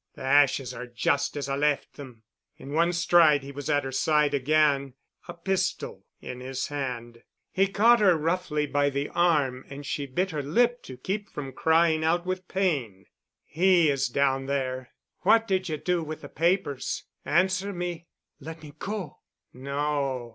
The ashes are just as I left them." In one stride he was at her side again, a pistol in his hand. He caught her roughly by the arm and she bit her lip to keep from crying out with pain. "He is down there. What did you do with the papers? Answer me." "Let me go." "No."